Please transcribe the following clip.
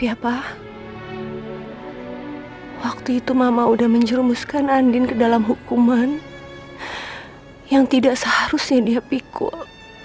siapa waktu itu mama udah menjerumuskan andin ke dalam hukuman yang tidak seharusnya dia pikul